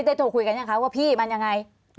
ได้โต๊ะคุยกันอย่างไรคะว่าพี่มันยังไง